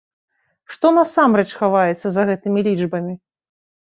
Што насамрэч хаваецца за гэтымі лічбамі?